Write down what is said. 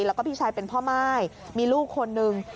แล้วก็พี่ชายเป็นพ่อม่ายมีลูกคนนึง